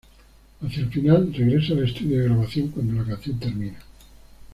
Hacia el final, regresa al estudio de grabación cuando la canción termina.